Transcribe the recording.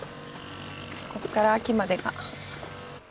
ここから秋までが。